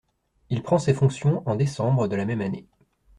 Il prend ses fonctions en décembre de la même année.